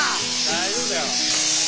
大丈夫だよ。